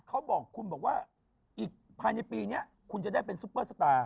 เขาบอกคุณบอกว่าอีกภายในปีนี้คุณจะได้เป็นซุปเปอร์สตาร์